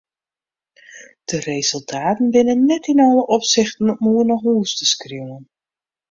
De resultaten binne net yn alle opsichten om oer nei hús te skriuwen.